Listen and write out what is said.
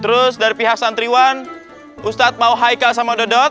terus dari pihak santriwan ustadz mau haika sama dodot